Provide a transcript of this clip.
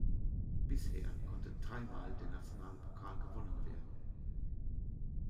Bisher konnte dreimal der nationale Pokal gewonnen werden.